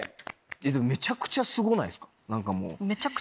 めちゃくちゃすごないですか？